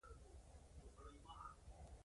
سیاسي بنسټونه یې له منځه یووړل.